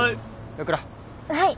はい！